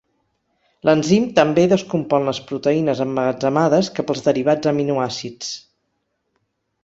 L'enzim també descompon les proteïnes emmagatzemades cap als derivats aminoàcids.